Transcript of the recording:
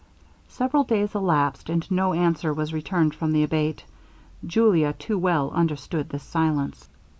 Several days elapsed, and no answer was returned from the Abate. Julia too well understood this silence.